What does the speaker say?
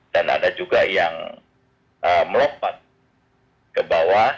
dan ada juga yang melompat ke bawah